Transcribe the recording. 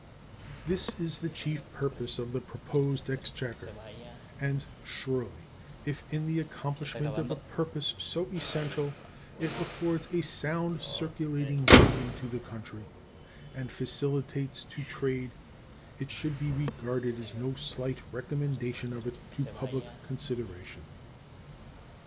This is the chief purpose of the proposed exchequer, and surely if in the accomplishment of a purpose so essential it affords a sound circulating medium to the country and facilities to trade it should be regarded as no slight recommendation of it to public consideration.